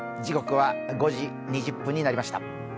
時刻は５時２０分になりました。